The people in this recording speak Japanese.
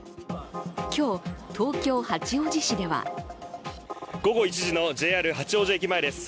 今日、東京・八王子市では午後１時のＪＲ八王子駅前です。